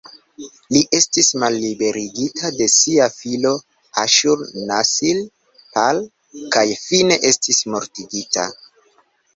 Li estis malliberigita de sia filo "Aŝur-nasir-pal" kaj fine estis mortigita.